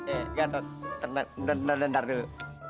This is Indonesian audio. eh gak tau ntar dulu